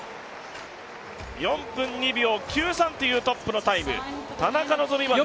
４分２秒９３というトップのタイム。